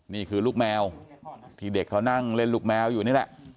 นี่คือลูกแมวที่เด็กเขานั่งเล่นลูกแมวอยู่นี่แหละ